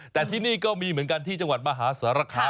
แต่ที่นี่ก็มีเหมือนกันที่จังหวัดมหาสารคาม